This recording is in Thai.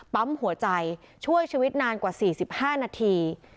ปั๊มหัวใจช่วยชีวิตนานกว่า๔๕นาที